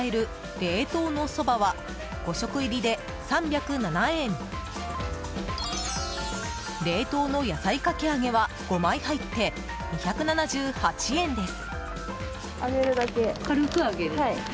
冷凍の野菜かき揚げは５枚入って２７８円です。